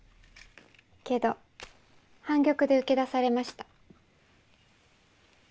けど半玉で受け出されました。